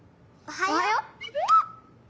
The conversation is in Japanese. おはよっ。